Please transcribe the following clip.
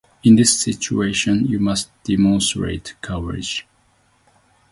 In this situation you must demonstrate courage.